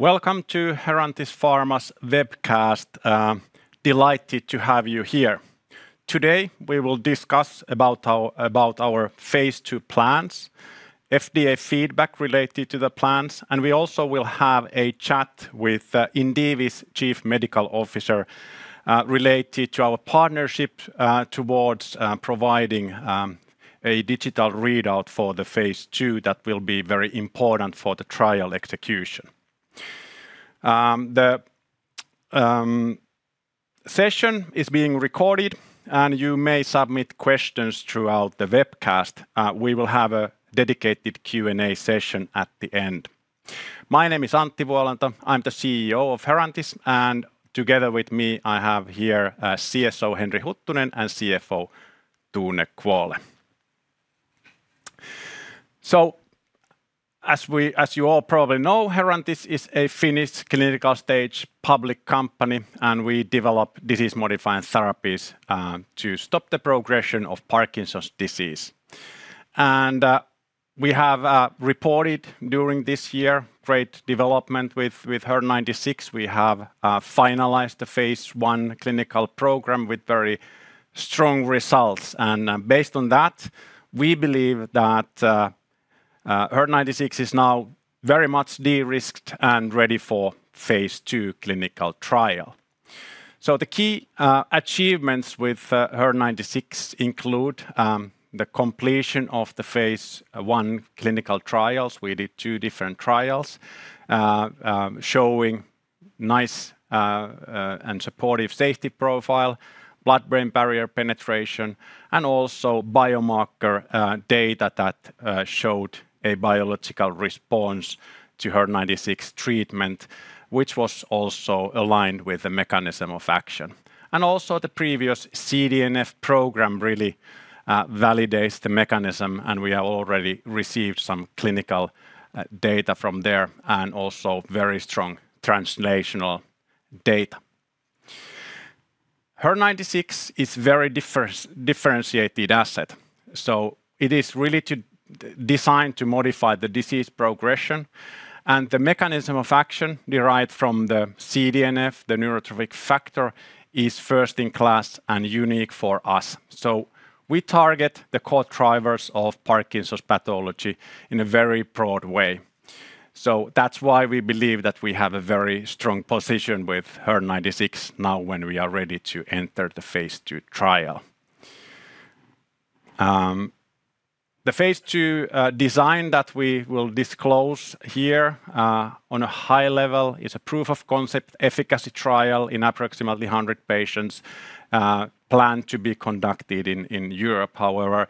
Welcome to Herantis Pharma's webcast. Delighted to have you here. Today, we will discuss about our phase II plans, FDA feedback related to the plans, and we also will have a chat with Indivi's Chief Medical Officer related to our partnership towards providing a digital readout for the phase II that will be very important for the trial execution. The session is being recorded, and you may submit questions throughout the webcast. We will have a dedicated Q&A session at the end. My name is Antti Vuolanto. I'm the CEO of Herantis, and together with me, I have here CSO Henri Huttunen and CFO Tone Kvåle. As you all probably know, Herantis is a Finnish clinical stage public company, and we develop disease-modifying therapies to stop the progression of Parkinson's disease. We have reported during this year great development with HER-096. We have finalized the phase I clinical program with very strong results. Based on that, we believe that HER-096 is now very much derisked and ready for phase II clinical trial. The key achievements with HER-096 include the completion of the phase I clinical trials. We did two different trials, showing nice and supportive safety profile, blood-brain barrier penetration, and also biomarker data that showed a biological response to HER-096 treatment, which was also aligned with the mechanism of action. Also the previous CDNF program really validates the mechanism, and we have already received some clinical data from there and also very strong translational data. HER-096 is very differentiated asset. It is really designed to modify the disease progression and the mechanism of action derived from the CDNF, the neurotrophic factor, is first in class and unique for us. We target the core drivers of Parkinson's pathology in a very broad way. That's why we believe that we have a very strong position with HER-096 now when we are ready to enter the phase II trial. The phase II design that we will disclose here on a high level is a proof of concept efficacy trial in approximately 100 patients, planned to be conducted in Europe. However,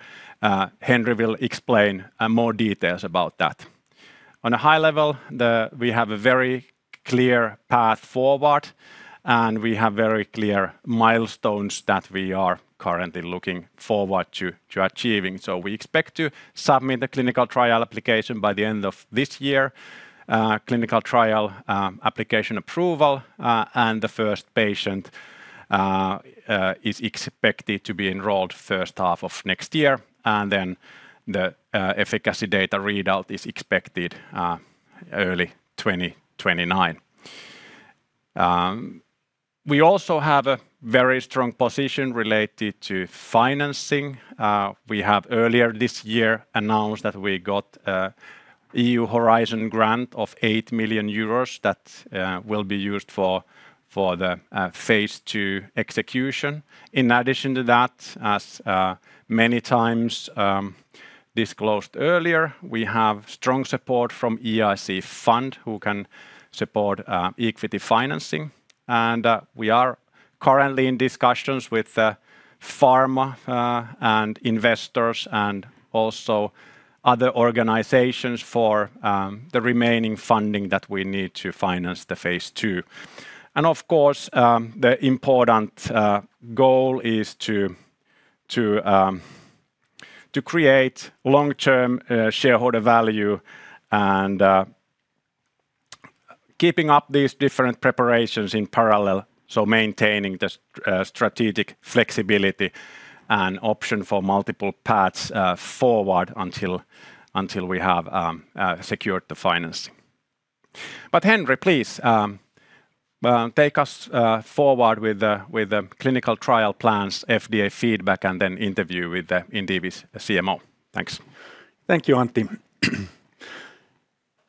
Henri will explain more details about that. On a high level, we have a very clear path forward, and we have very clear milestones that we are currently looking forward to achieving. We expect to submit the clinical trial application by the end of this year. Clinical trial application approval and the first patient is expected to be enrolled first half of next year, and then the efficacy data readout is expected early 2029. We also have a very strong position related to financing. We have earlier this year announced that we got EU Horizon Grant of 8 million euros that will be used for the phase II execution. In addition to that, as many times disclosed earlier, we have strong support from EIC Fund, who can support equity financing. We are currently in discussions with pharma and investors and also other organizations for the remaining funding that we need to finance the phase II. Of course, the important goal is to create long-term shareholder value and keeping up these different preparations in parallel, so maintaining the strategic flexibility and option for multiple paths forward until we have secured the financing. Henri, please take us forward with the clinical trial plans, FDA feedback, and then interview with Indivi's CMO. Thanks. Thank you, Antti.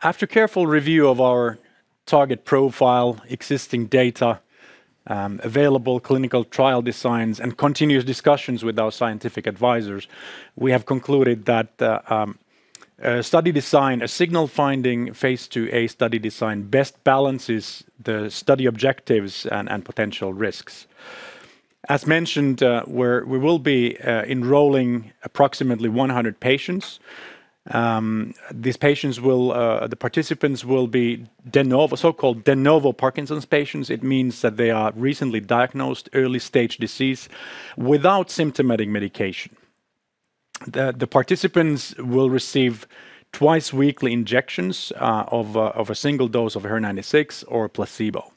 After careful review of our target profile, existing data, available clinical trial designs, and continuous discussions with our scientific advisors, we have concluded that a signal finding phase II-A study design best balances the study objectives and potential risks. As mentioned, we will be enrolling approximately 100 patients. The participants will be so-called de novo Parkinson's patients. It means that they are recently diagnosed early stage disease without symptomatic medication. The participants will receive twice weekly injections of a single dose of HER-096 or placebo.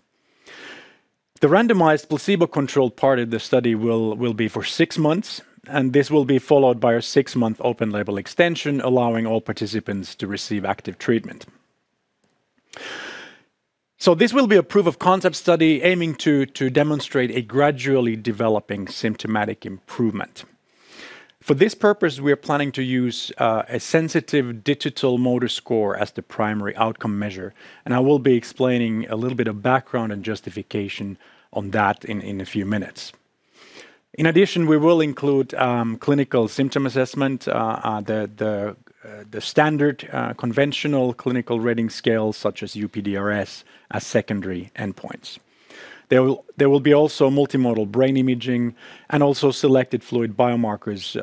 The randomized placebo-controlled part of the study will be for six months, and this will be followed by a six-month open label extension, allowing all participants to receive active treatment. This will be a proof of concept study aiming to demonstrate a gradually developing symptomatic improvement. For this purpose, we are planning to use a sensitive digital motor score as the primary outcome measure. I will be explaining a little bit of background and justification on that in a few minutes. In addition, we will include clinical symptom assessment, the standard conventional clinical rating scales such as UPDRS as secondary endpoints. There will be also multimodal brain imaging and also selected fluid biomarkers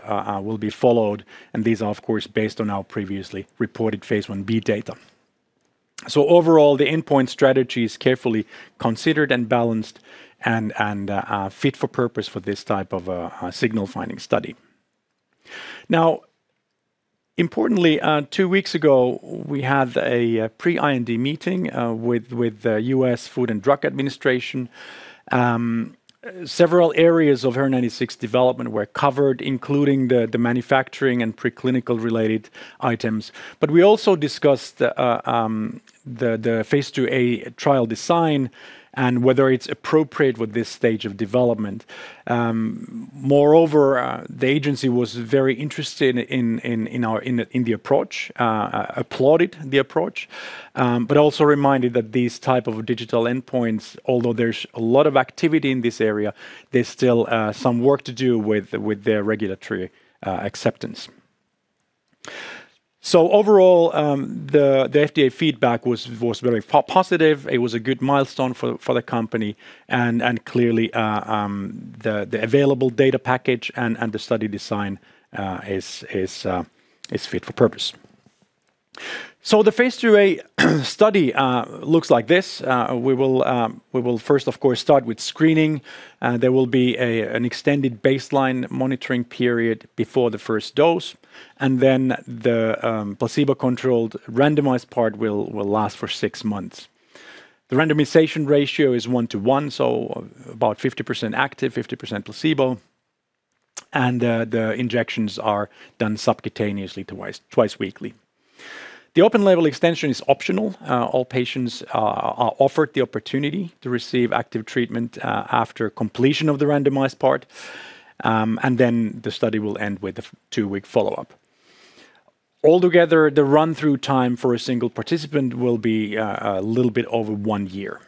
will be followed. These are, of course, based on our previously reported phase I-B data. Overall, the endpoint strategy is carefully considered and balanced and are fit for purpose for this type of a signal finding study. Importantly, two weeks ago, we had a pre-IND meeting with the U.S. Food and Drug Administration. Several areas of HER-096 development were covered, including the manufacturing and preclinical related items. We also discussed the phase II-A trial design and whether it's appropriate with this stage of development. Moreover, the agency was very interested in the approach, applauded the approach, but also reminded that these type of digital endpoints, although there's a lot of activity in this area, there's still some work to do with their regulatory acceptance. Overall, the FDA feedback was very positive. It was a good milestone for the company, and clearly, the available data package and the study design is fit for purpose. The phase II-A study looks like this. We will first, of course, start with screening. There will be an extended baseline monitoring period before the first dose, and then the placebo-controlled randomized part will last for six months. The randomization ratio is 1:1, so about 50% active, 50% placebo, and the injections are done subcutaneously twice weekly. The open label extension is optional. All patients are offered the opportunity to receive active treatment after completion of the randomized part, the study will end with a two-week follow-up. Altogether, the run-through time for a single participant will be a little bit over one year.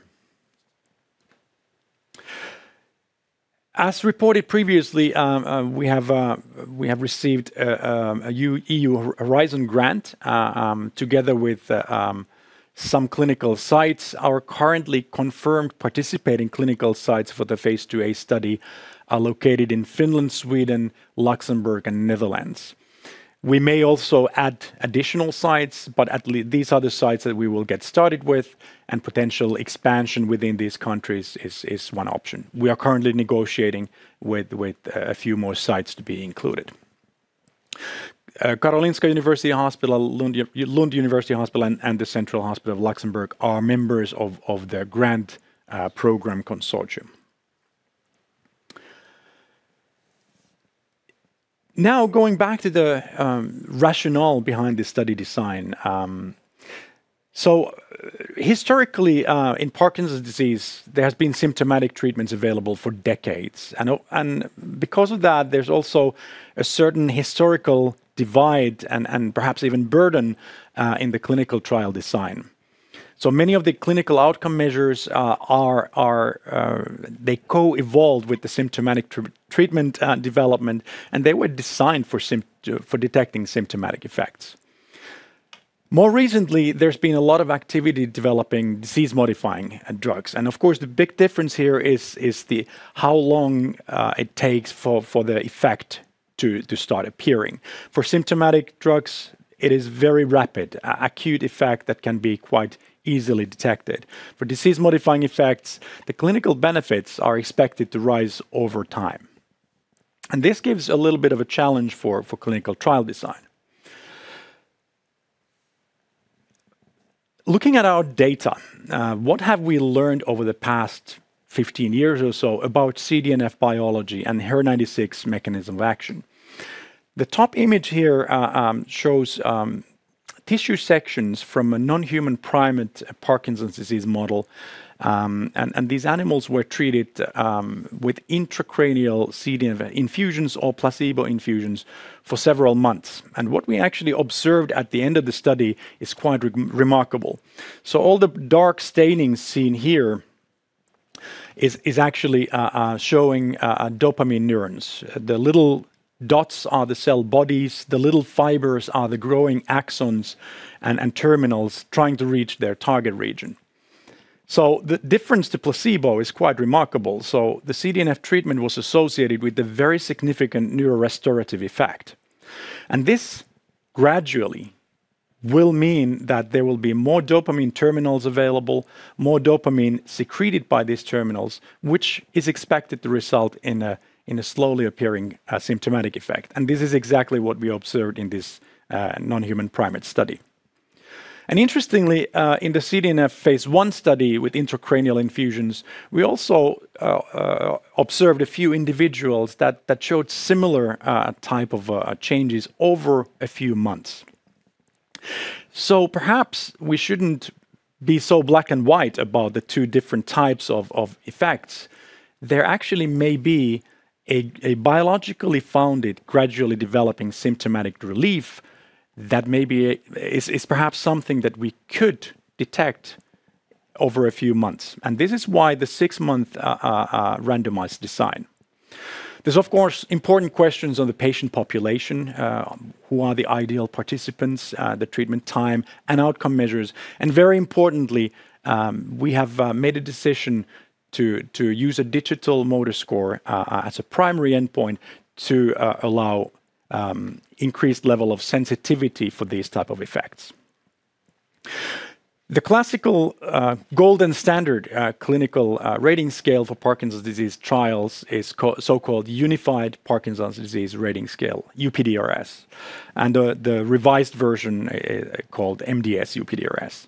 As reported previously, we have received a EU Horizon Grant, together with some clinical sites. Our currently confirmed participating clinical sites for the phase II-A study are located in Finland, Sweden, Luxembourg, and Netherlands. We may also add additional sites, at least these are the sites that we will get started with, potential expansion within these countries is one option. We are currently negotiating with a few more sites to be included. Karolinska University Hospital, Lund University Hospital, and the Central Hospital of Luxembourg are members of the grant program consortium. Going back to the rationale behind the study design. Historically, in Parkinson's disease, there has been symptomatic treatments available for decades. Because of that, there's also a certain historical divide and perhaps even burden in the clinical trial design. Many of the clinical outcome measures co-evolved with the symptomatic treatment development, and they were designed for detecting symptomatic effects. More recently, there's been a lot of activity developing disease-modifying drugs. Of course, the big difference here is how long it takes for the effect to start appearing. For symptomatic drugs, it is very rapid, acute effect that can be quite easily detected. For disease-modifying effects, the clinical benefits are expected to rise over time. This gives a little bit of a challenge for clinical trial design. Looking at our data, what have we learned over the past 15 years or so about CDNF biology and HER-096 mechanism of action? The top image here shows tissue sections from a non-human primate Parkinson's disease model, and these animals were treated with intracranial CDNF infusions or placebo infusions for several months. What we actually observed at the end of the study is quite remarkable. All the dark staining seen here is actually showing dopamine neurons. The little dots are the cell bodies, the little fibers are the growing axons and terminals trying to reach their target region. The difference to placebo is quite remarkable. The CDNF treatment was associated with a very significant neurorestorative effect. This gradually will mean that there will be more dopamine terminals available, more dopamine secreted by these terminals, which is expected to result in a slowly appearing symptomatic effect. This is exactly what we observed in this non-human primate study. Interestingly, in the CDNF phase I study with intracranial infusions, we also observed a few individuals that showed similar type of changes over a few months. Perhaps we shouldn't be so black and white about the two different types of effects. There actually may be a biologically founded, gradually developing symptomatic relief that is perhaps something that we could detect over a few months, and this is why the six-month randomized design. There's, of course, important questions on the patient population. Who are the ideal participants? The treatment time and outcome measures, and very importantly, we have made a decision to use a digital motor score as a primary endpoint to allow increased level of sensitivity for these type of effects. The classical golden standard clinical rating scale for Parkinson's disease trials is so-called Unified Parkinson's Disease Rating Scale, UPDRS, and the revised version called MDS-UPDRS.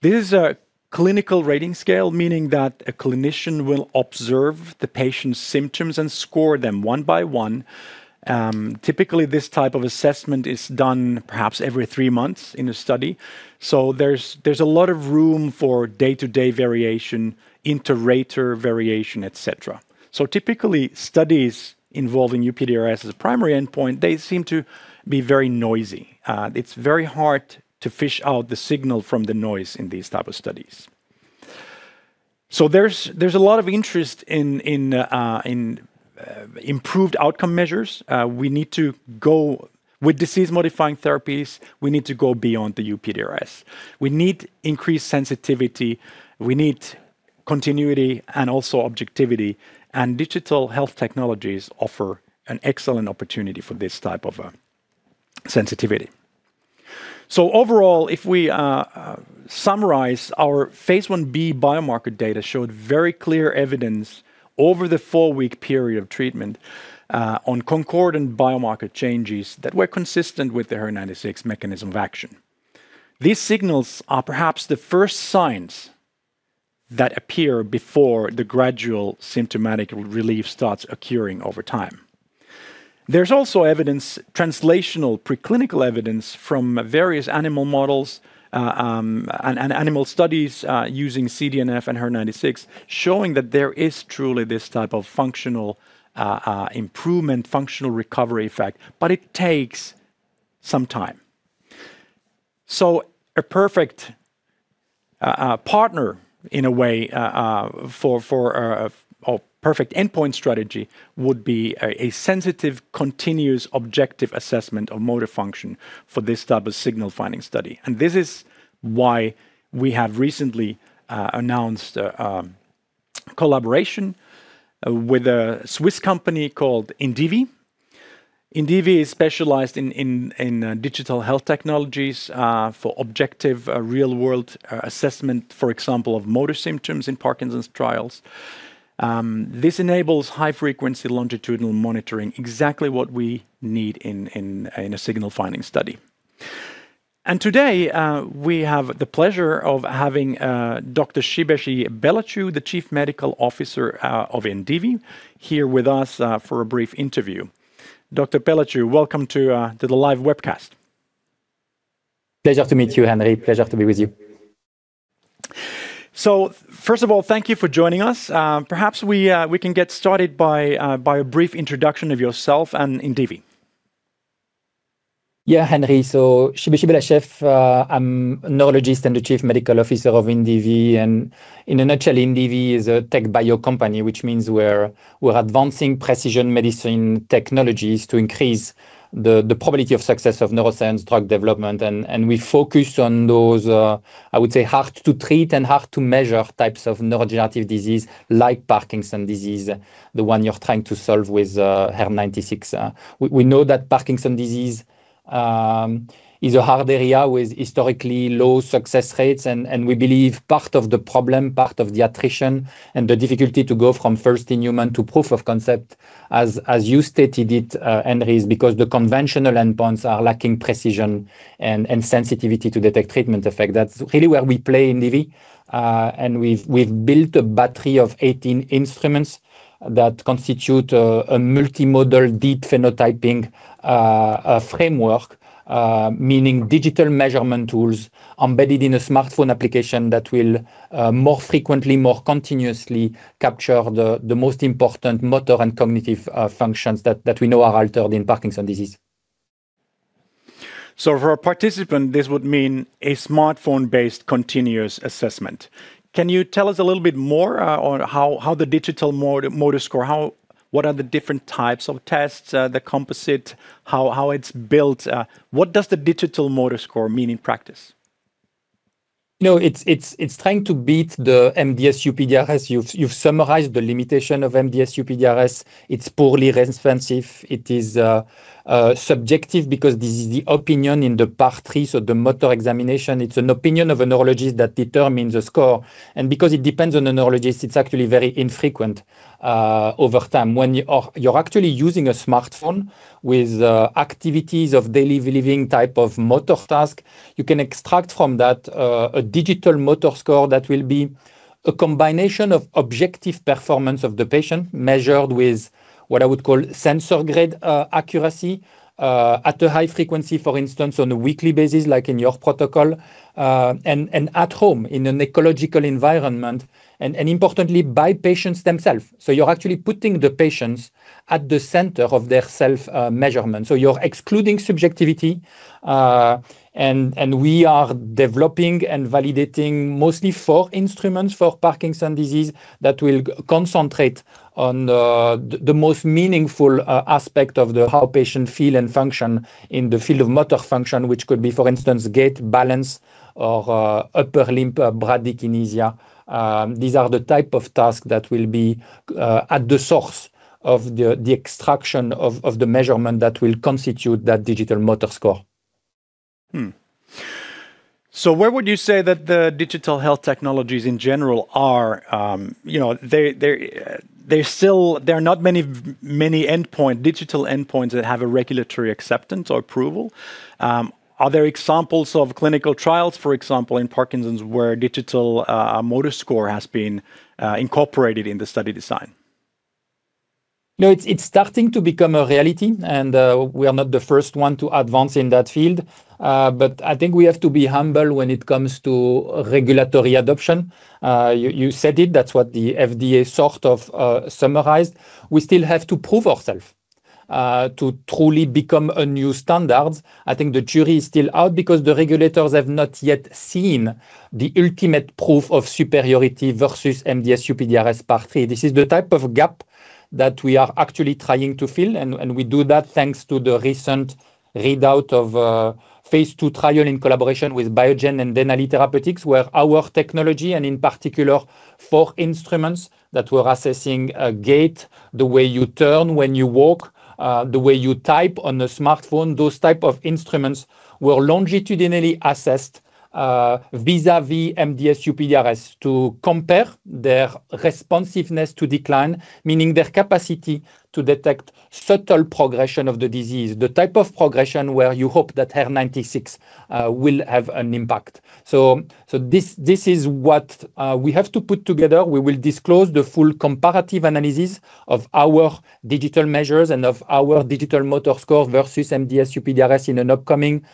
This is a clinical rating scale, meaning that a clinician will observe the patient's symptoms and score them one by one. Typically, this type of assessment is done perhaps every three months in a study. There's a lot of room for day-to-day variation, inter-rater variation, et cetera. Typically, studies involving UPDRS as a primary endpoint, they seem to be very noisy. It's very hard to fish out the signal from the noise in these type of studies. There's a lot of interest in improved outcome measures. With disease-modifying therapies, we need to go beyond the UPDRS. We need increased sensitivity. We need continuity and also objectivity, and digital health technologies offer an excellent opportunity for this type of sensitivity. Overall, if we summarize our phase I-B biomarker data showed very clear evidence over the four-week period of treatment on concordant biomarker changes that were consistent with the HER-096 mechanism of action. These signals are perhaps the first signs that appear before the gradual symptomatic relief starts occurring over time. There's also translational pre-clinical evidence from various animal models and animal studies using CDNF and HER-096 showing that there is truly this type of functional improvement, functional recovery effect, but it takes some time. A perfect partner in a way for a perfect endpoint strategy would be a sensitive, continuous, objective assessment of motor function for this type of signal-finding study. This is why we have recently announced a collaboration with a Swiss company called Indivi. Indivi is specialized in digital health technologies for objective real-world assessment, for example, of motor symptoms in Parkinson's trials. This enables high-frequency longitudinal monitoring, exactly what we need in a signal-finding study. Today, we have the pleasure of having Dr. Shibeshih Belachew, the Chief Medical Officer of Indivi, here with us for a brief interview. Dr. Belachew, welcome to the live webcast. Pleasure to meet you, Henri. Pleasure to be with you. First of all, thank you for joining us. Perhaps we can get started by a brief introduction of yourself and Indivi. Yeah, Henri. Shibeshih Belachew. I'm a neurologist and the Chief Medical Officer of Indivi. In a nutshell, Indivi is a TechBio company, which means we're advancing precision medicine technologies to increase the probability of success of neuroscience drug development. We focus on those, I would say, hard-to-treat and hard-to-measure types of neurodegenerative disease like Parkinson's disease, the one you're trying to solve with HER-096. We know that Parkinson's disease is a hard area with historically low success rates. We believe part of the problem, part of the attrition, and the difficulty to go from first in human to proof of concept, as you stated it, Henri, is because the conventional endpoints are lacking precision and sensitivity to detect treatment effect. That's really where we play in Indivi. We've built a battery of 18 instruments that constitute a multimodal deep phenotyping framework, meaning digital measurement tools embedded in a smartphone application that will more frequently, more continuously capture the most important motor and cognitive functions that we know are altered in Parkinson's disease. For a participant, this would mean a smartphone-based continuous assessment. Can you tell us a little bit more on how the digital motor score, what are the different types of tests, the composite, how it's built? What does the digital motor score mean in practice? No, it's trying to beat the MDS-UPDRS. You've summarized the limitation of MDS-UPDRS. It's poorly representative. It is subjective because this is the opinion in the Part III, so the motor examination. It's an opinion of a neurologist that determines the score. Because it depends on the neurologist, it's actually very infrequent over time. When you're actually using a smartphone with activities of daily living type of motor task, you can extract from that a digital motor score that will be a combination of objective performance of the patient measured with what I would call sensor-grade accuracy at a high frequency, for instance, on a weekly basis, like in your protocol, and at home in an ecological environment, and importantly, by patients themselves. You're actually putting the patients at the center of their self-measurement. You're excluding subjectivity. We are developing and validating mostly four instruments for Parkinson's disease that will concentrate on the most meaningful aspect of how patient feel and function in the field of motor function, which could be, for instance, gait, balance, or upper limb bradykinesia. These are the type of tasks that will be at the source of the extraction of the measurement that will constitute that digital motor score. Where would you say that the digital health technologies in general are? There are not many digital endpoints that have a regulatory acceptance or approval. Are there examples of clinical trials, for example, in Parkinson's, where digital motor score has been incorporated in the study design? It's starting to become a reality, and we are not the first one to advance in that field. I think we have to be humble when it comes to regulatory adoption. You said it. That's what the FDA sort of summarized. We still have to prove ourselves to truly become a new standard. I think the jury is still out because the regulators have not yet seen the ultimate proof of superiority versus MDS-UPDRS Part III. This is the type of gap that we are actually trying to fill, and we do that thanks to the recent readout of a phase II trial in collaboration with Biogen and Denali Therapeutics, where our technology, and in particular for instruments that were assessing gait, the way you turn when you walk, the way you type on a smartphone. Those type of instruments were longitudinally assessed vis-à-vis MDS-UPDRS to compare their responsiveness to decline, meaning their capacity to detect subtle progression of the disease, the type of progression where you hope that HER-096 will have an impact. This is what we have to put together. We will disclose the full comparative analysis of our digital measures and of our digital motor score versus MDS-UPDRS in an upcoming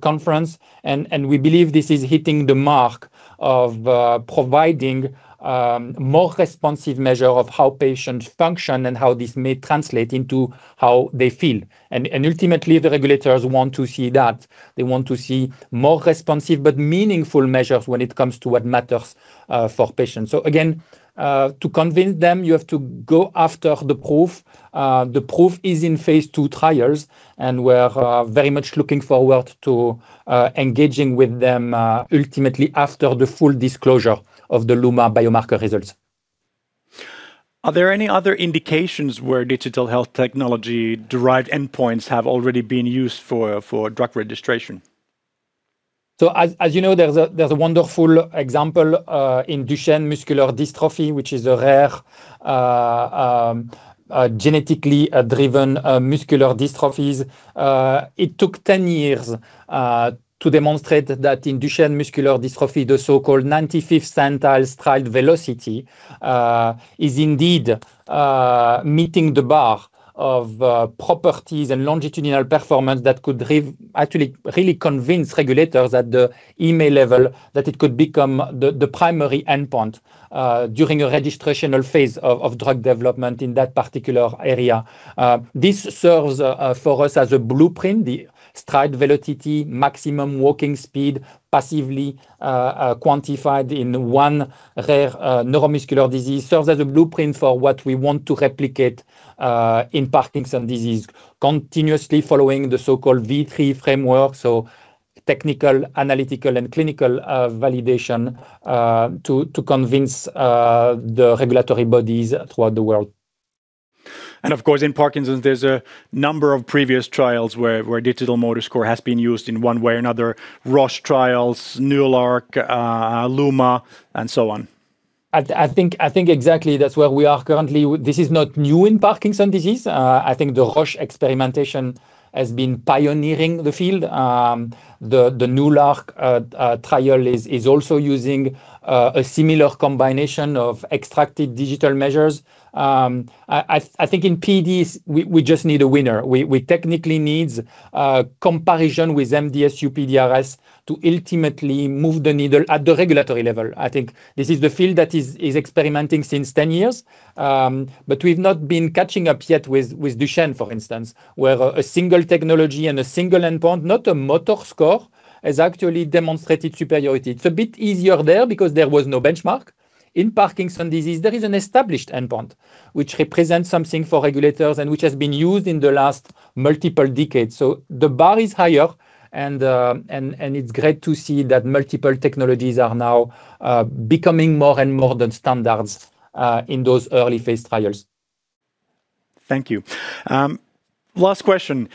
conference. We believe this is hitting the mark of providing more responsive measure of how patients function and how this may translate into how they feel. Ultimately, the regulators want to see that. They want to see more responsive but meaningful measures when it comes to what matters for patients. Again to convince them, you have to go after the proof. The proof is in phase II trials, and we're very much looking forward to engaging with them ultimately after the full disclosure of the LUMA biomarker results. Are there any other indications where digital health technology-derived endpoints have already been used for drug registration? As you know, there's a wonderful example in Duchenne muscular dystrophy, which is a rare genetically driven muscular dystrophies. It took 10 years to demonstrate that in Duchenne muscular dystrophy, the so-called 95th centile stride velocity is indeed meeting the bar of properties and longitudinal performance that could actually really convince regulators at the EMA level that it could become the primary endpoint during a registrational phase of drug development in that particular area. This serves for us as a blueprint. The stride velocity, maximum walking speed, passively quantified in one rare neuromuscular disease, serves as a blueprint for what we want to replicate in Parkinson's disease, continuously following the so-called V3 framework, so technical, analytical, and clinical validation to convince the regulatory bodies throughout the world. Of course, in Parkinson's, there's a number of previous trials where digital motor score has been used in one way or another, Roche trials, NEULARK, LUMA, and so on. I think exactly that's where we are currently. This is not new in Parkinson's disease. I think the Roche experimentation has been pioneering the field. The NEULARK trial is also using a similar combination of extracted digital measures. I think in PD, we just need a winner. We technically need a comparison with MDS-UPDRS to ultimately move the needle at the regulatory level. I think this is the field that is experimenting since 10 years, but we've not been catching up yet with Duchenne, for instance, where a single technology and a single endpoint, not a motor score, has actually demonstrated superiority. It's a bit easier there because there was no benchmark. In Parkinson's disease, there is an established endpoint, which represents something for regulators and which has been used in the last multiple decades. The bar is higher and it's great to see that multiple technologies are now becoming more and more the standards in those early phase trials. Thank you. Last question.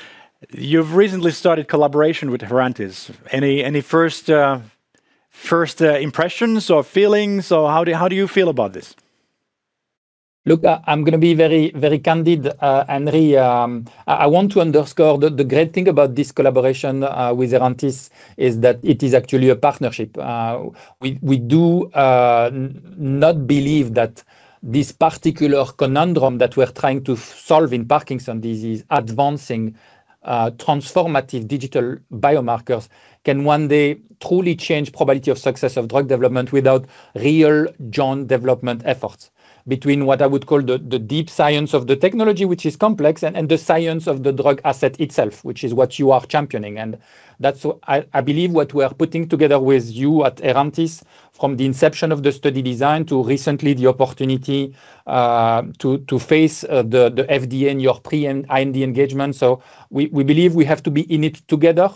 You've recently started collaboration with Herantis. Any first impressions or feelings, or how do you feel about this? I'm going to be very candid, Henri. I want to underscore the great thing about this collaboration with Herantis is that it is actually a partnership. We do not believe that this particular conundrum that we're trying to solve in Parkinson's disease, advancing transformative digital biomarkers can one day truly change probability of success of drug development without real joint development efforts between what I would call the deep science of the technology, which is complex, and the science of the drug asset itself, which is what you are championing. That's, I believe what we are putting together with you at Herantis from the inception of the study design to recently the opportunity to face the FDA and your pre-IND engagement. We believe we have to be in it together,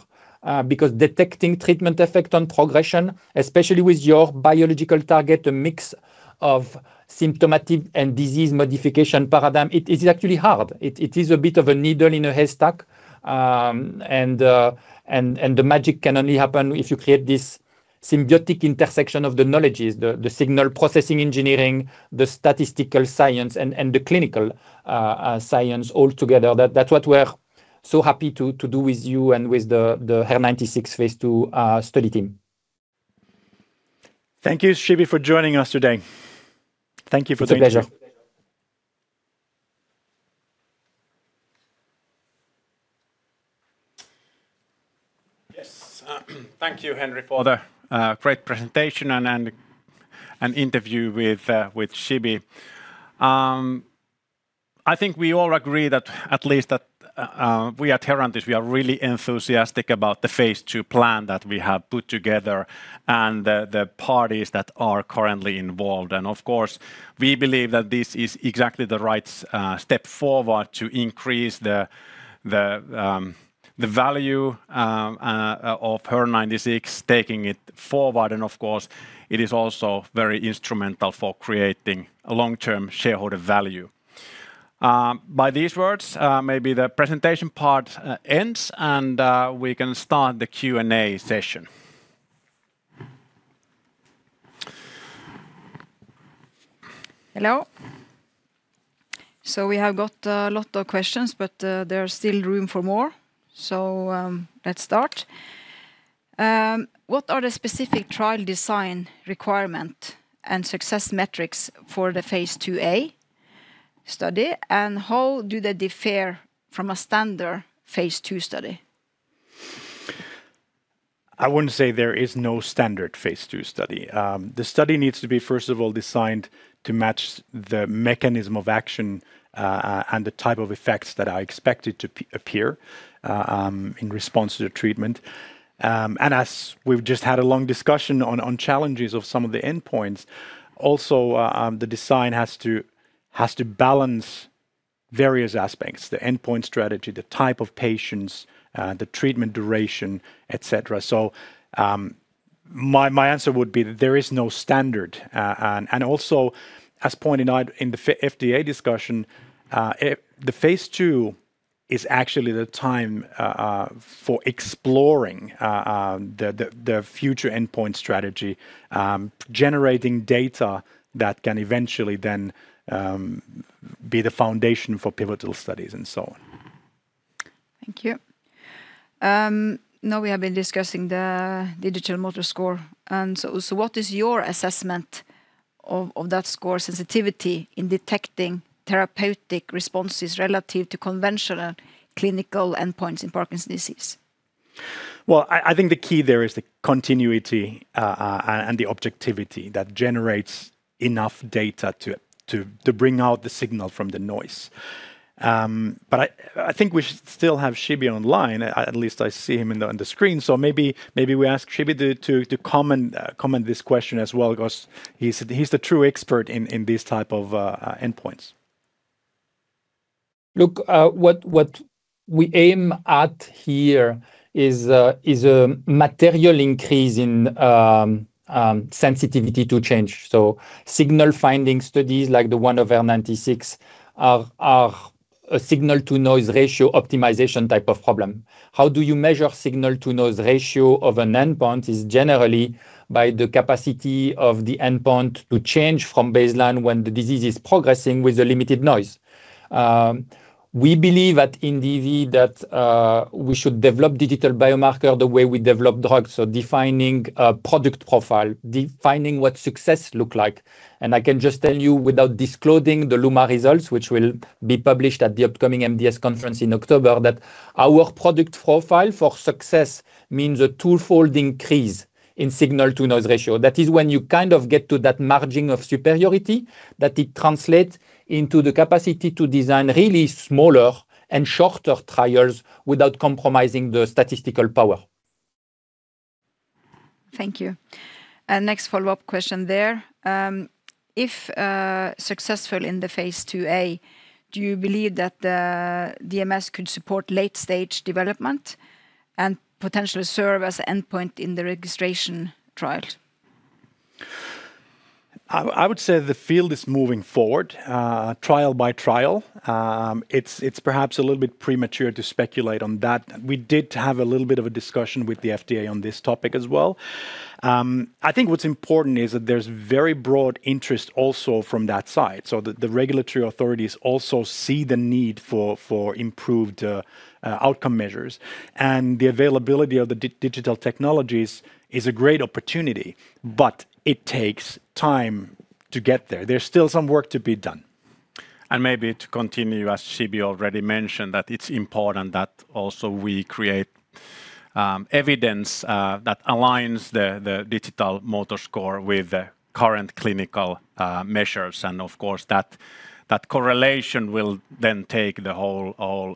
because detecting treatment effect on progression, especially with your biological target, a mix of symptomatic and disease modification paradigm, it is actually hard. It is a bit of a needle in a haystack. The magic can only happen if you create this symbiotic intersection of the knowledges, the signal processing engineering, the statistical science, and the clinical science all together. That's what we're so happy to do with you and with the HER-096 phase II study team. Thank you, Shibe, for joining us today. It's a pleasure. Yes. Thank you, Henri, for the great presentation and interview with Shibe. I think we all agree that at least that we at Herantis, we are really enthusiastic about the phase II plan that we have put together and the parties that are currently involved. Of course, we believe that this is exactly the right step forward to increase the value of HER-096, taking it forward, and of course, it is also very instrumental for creating a long-term shareholder value. By these words, maybe the presentation part ends, and we can start the Q&A session. Hello. We have got a lot of questions, but there's still room for more. Let's start. What are the specific trial design requirement and success metrics for the phase II-A study, and how do they differ from a standard phase II study? I wouldn't say there is no standard phase II study. The study needs to be, first of all, designed to match the mechanism of action, and the type of effects that are expected to appear in response to the treatment. As we've just had a long discussion on challenges of some of the endpoints, also, the design has to balance various aspects, the endpoint strategy, the type of patients, the treatment duration, et cetera. My answer would be that there is no standard. As pointed out in the FDA discussion, the phase II is actually the time for exploring the future endpoint strategy, generating data that can eventually then be the foundation for pivotal studies and so on. Thank you. We have been discussing the digital motor score, and so what is your assessment of that score sensitivity in detecting therapeutic responses relative to conventional clinical endpoints in Parkinson's disease? Well, I think the key there is the continuity, and the objectivity that generates enough data to bring out the signal from the noise. I think we still have Shibe online. At least I see him on the screen. Maybe we ask Shibe to comment this question as well, because he's the true expert in these type of endpoints. What we aim at here is a material increase in sensitivity to change. Signal finding studies like the one of HER-096 are a signal-to-noise ratio optimization type of problem. How do you measure signal-to-noise ratio of an endpoint is generally by the capacity of the endpoint to change from baseline when the disease is progressing with a limited noise. We believe at Indivi that we should develop digital biomarker the way we develop drugs, so defining a product profile, defining what success look like. I can just tell you without disclosing the LUMA results, which will be published at the upcoming MDS conference in October, that our product profile for success means a twofold increase in signal-to-noise ratio. That is when you kind of get to that margin of superiority, that it translates into the capacity to design really smaller and shorter trials without compromising the statistical power. Thank you. Next follow-up question there. If successful in the phase II-A, do you believe that the DMS could support late-stage development and potentially serve as endpoint in the registration trial? I would say the field is moving forward, trial-by-trial. It's perhaps a little bit premature to speculate on that. We did have a little bit of a discussion with the FDA on this topic as well. I think what's important is that there's very broad interest also from that side, so the regulatory authorities also see the need for improved outcome measures. The availability of the digital technologies is a great opportunity, but it takes time to get there. There's still some work to be done. Maybe to continue, as Shibe already mentioned, that it's important that also we create evidence that aligns the digital motor score with the current clinical measures. Of course, that correlation will then take the whole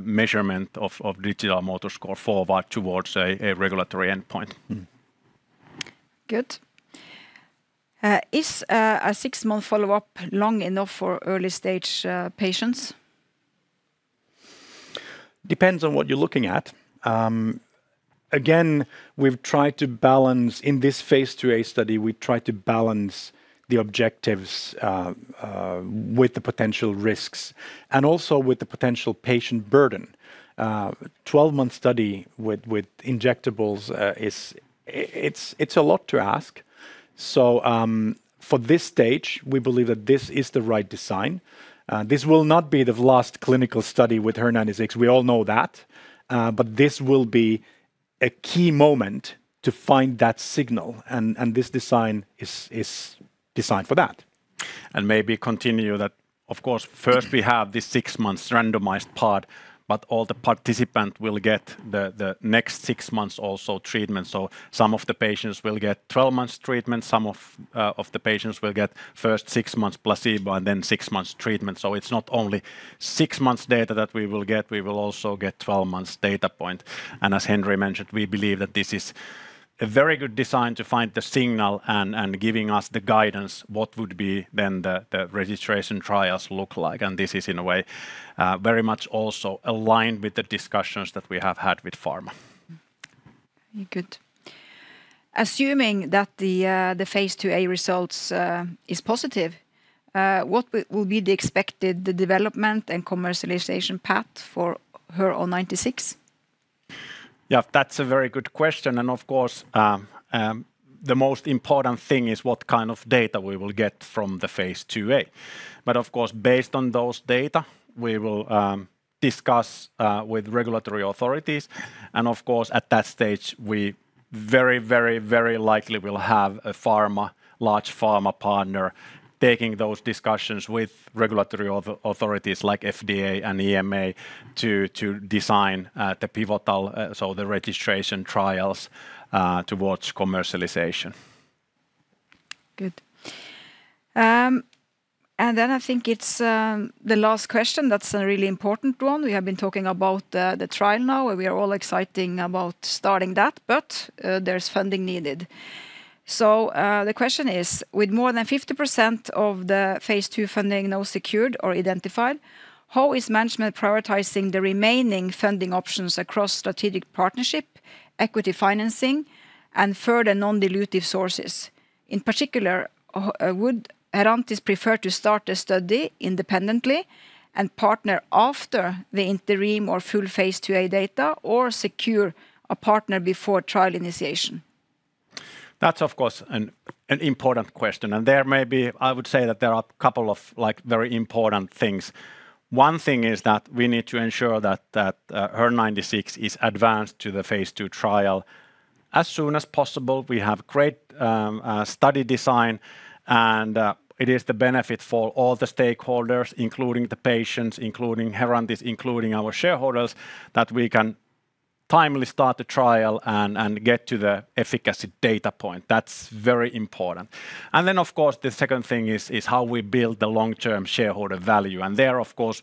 measurement of digital motor score forward towards a regulatory endpoint. Good. Is a six-month follow-up long enough for early-stage patients? Depends on what you're looking at. In this phase II-A study, we tried to balance the objectives with the potential risks and also with the potential patient burden. 12-month study with injectables is a lot to ask. For this stage, we believe that this is the right design. This will not be the last clinical study with HER-096. We all know that. This will be a key moment to find that signal, and this design is designed for that. Maybe continue that, of course, first we have this six months randomized part, but all the participants will get the next six months also treatment. Some of the patients will get 12 months treatment, some of the patients will get first six months placebo and then six months treatment. It's not only six months data that we will get, we will also get 12 months data point. As Henri mentioned, we believe that this is a very good design to find the signal and giving us the guidance what would be then the registration trials look like. This is in a way very much also aligned with the discussions that we have had with pharma. Very good. Assuming that the phase II-A results is positive, what will be the expected development and commercialization path for HER-096? Yeah, that's a very good question, of course, the most important thing is what kind of data we will get from the phase II-A. Of course, based on those data, we will discuss with regulatory authorities, of course, at that stage, we very likely will have a large pharma partner taking those discussions with regulatory authorities like FDA and EMA to design the pivotal, so the registration trials towards commercialization. I think it's the last question that's a really important one. We have been talking about the trial now, and we are all excited about starting that, but there's funding needed. The question is, with more than 50% of the phase II funding now secured or identified, how is management prioritizing the remaining funding options across strategic partnership, equity financing, and further non-dilutive sources? In particular, would Herantis prefer to start a study independently and partner after the interim or full phase II-A data, or secure a partner before trial initiation? That's of course an important question, and I would say that there are a couple of very important things. One thing is that we need to ensure that HER-096 is advanced to the phase II trial as soon as possible. We have great study design, and it is the benefit for all the stakeholders, including the patients, including Herantis, including our shareholders, that we can timely start the trial and get to the efficacy data point. That's very important. Then of course, the second thing is how we build the long-term shareholder value. There, of course,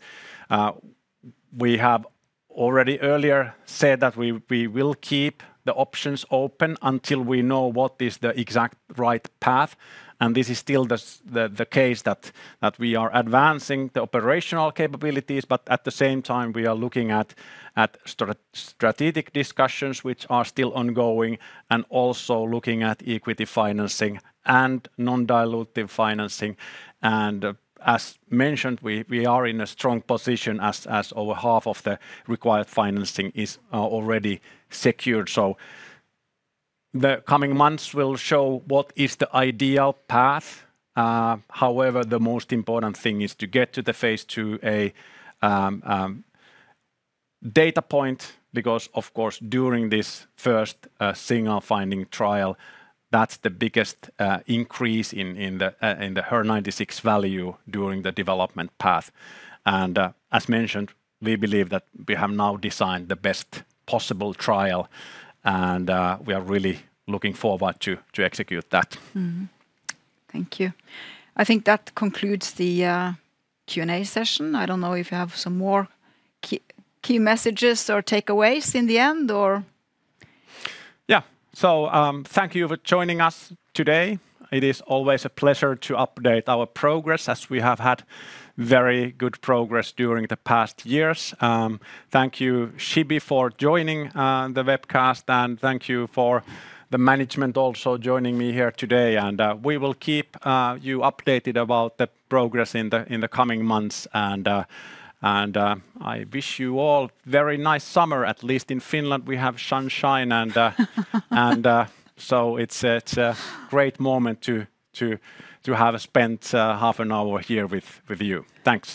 we have already earlier said that we will keep the options open until we know what is the exact right path. This is still the case that we are advancing the operational capabilities, but at the same time, we are looking at strategic discussions which are still ongoing, and also looking at equity financing and non-dilutive financing. As mentioned, we are in a strong position as over half of the required financing is already secured. The coming months will show what is the ideal path. However, the most important thing is to get to the phase II-A data point, because of course, during this first signal-finding trial, that's the biggest increase in the HER-096 value during the development path. As mentioned, we believe that we have now designed the best possible trial, and we are really looking forward to execute that. Mm-hmm. Thank you. I think that concludes the Q&A session. I don't know if you have some more key messages or takeaways in the end or. Yeah. Thank you for joining us today. It is always a pleasure to update our progress as we have had very good progress during the past years. Thank you, Shibe, for joining the webcast, and thank you for the management also joining me here today. We will keep you updated about the progress in the coming months. I wish you all very nice summer, at least in Finland, we have sunshine so it's a great moment to have spent half an hour here with you. Thanks.